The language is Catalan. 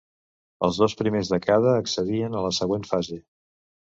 Els dos primers de cada accedien a la següent fase.